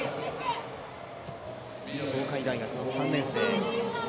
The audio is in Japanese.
東海大学の３年生。